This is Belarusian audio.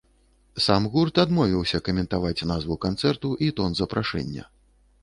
Сам гурт адмовіўся каментаваць назву канцэрту і тон запрашэння.